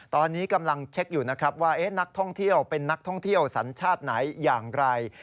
ตอนนี้กำลังเช็คอยู่นะครับว่านักท่องเที่ยวเป็นนักท่องเที่ยวสัญชาติไหนอย่างไร